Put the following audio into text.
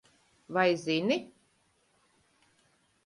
Vai zini?